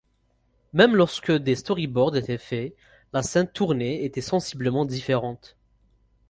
Même lorsque des storyboards étaient faits, la scène tournée était sensiblement différente.